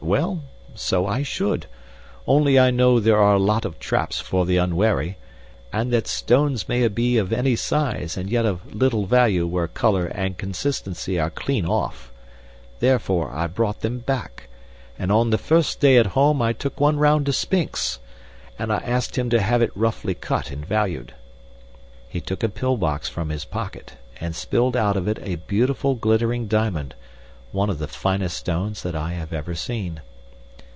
Well, so I should, only I know there are a lot of traps for the unwary, and that stones may be of any size and yet of little value where color and consistency are clean off. Therefore, I brought them back, and on the first day at home I took one round to Spink's, and asked him to have it roughly cut and valued." He took a pill box from his pocket, and spilled out of it a beautiful glittering diamond, one of the finest stones that I have ever seen.